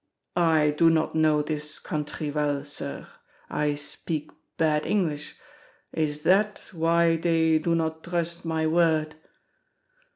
"I do not know this country well, sir. I speak bad English. Is that why they do not drust my word?"